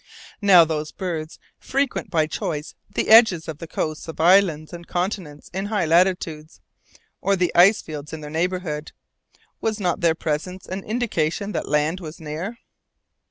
Now those birds frequent by choice the edges of the coasts of islands and continents in high latitudes, or the ice fields in their neighbourhood. Was not their presence an indication that land was near?